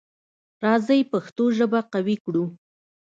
راځی پښتو ژبه قوي کړو.